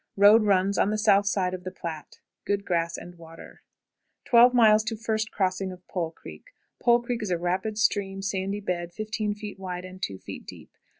Road runs on the south side of the Platte. Good grass and water. 12. First Crossing of Pole Creek. Pole Creek is a rapid stream, sandy bed, 15 feet wide, and two feet deep.